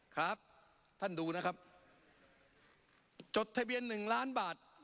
ครับท่านดูนะครับจดทะเบียนหนึ่งล้านบาท